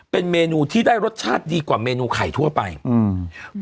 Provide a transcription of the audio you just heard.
เป็นเมนูที่ได้รสชาติดีกว่าเมนูไข่ทั่วไปอืม